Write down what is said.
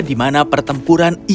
dan di mana pertempuran ini berakhir